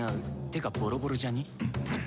てかボロボロじゃね？